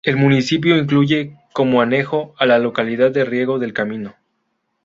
El municipio incluye, como anejo, a la localidad de Riego del Camino.